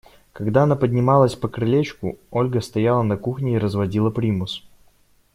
Когда она поднималась по крылечку, Ольга стояла на кухне и разводила примус.